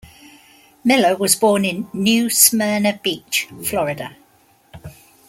Miller was born in New Smyrna Beach, Florida.